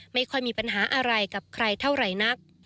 ไม่ค่อยมีปัญหาอะไรกับใครเท่าไหร่นัก